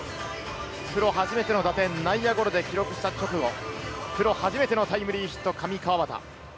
プロ初めての打点、内野ゴロで記録した直後、プロ初めてのタイムリーヒット、上川畑。